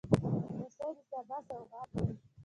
رس د سبا سوغات دی